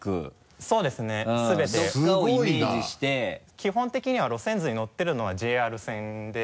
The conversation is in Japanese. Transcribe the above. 基本的には路線図に載っているのはＪＲ線で。